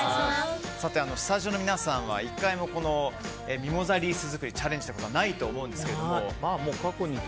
スタジオの皆さんは１回も、ミモザリース作りにチャレンジしたことはないと思うんですけど。